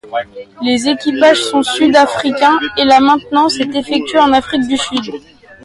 Les équipages sont sud-africains et la maintenance est effectuée en Afrique du Sud.